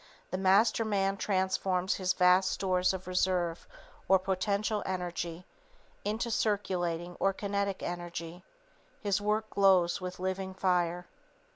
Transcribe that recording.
The master man transforms his vast stores of reserve or potential energy into circulating or kinetic energy. His work glows with living fire.